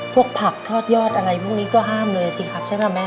ผักทอดยอดอะไรพวกนี้ก็ห้ามเลยสิครับใช่ป่ะแม่